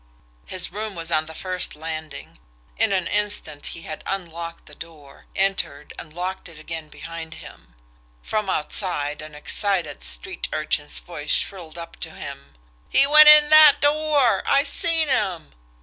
His room was on the first landing. In an instant he had unlocked the door, entered, and locked it again behind him. From outside, an excited street urchin's voice shrilled up to him: "He went in that door! I seen him!"